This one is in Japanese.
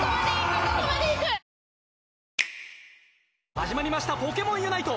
はじまりました『ポケモンユナイト』！